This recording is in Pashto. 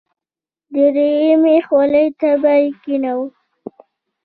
دریمې خولې ته به یې کېنوم.